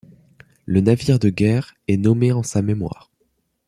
Le navire de guerre est nommé en sa mémoire.